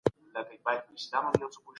موږ ډېر وزن پرتله کوو.